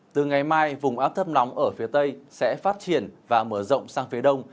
từ ngày mai vùng áp thấp nóng ở phía tây sẽ phát triển và mở rộng sang phía đông